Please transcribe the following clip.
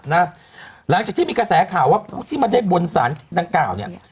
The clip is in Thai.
หลังจากที่มีกระแสข่าวว่าพวกที่มาได้บนสารนางกล่าว